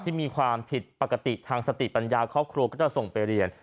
ที่มีความผิดปกติทางสติปัญญาครอบครัวก็จะส่งไปเรียน